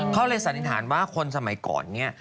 เขาเลยสันนิษฐานว่าคนสมัยก่อนเนี่ย